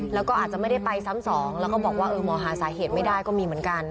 แล้วก็อาจจะไม่ได้ไปซ้ำสองแล้วก็บอกว่าเออมองหาสาเหตุไม่ได้ก็มีเหมือนกัน